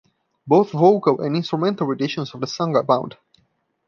Both vocal and instrumental renditions of the song abound.